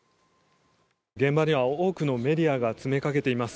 現場には多くのメディアが詰めかけています。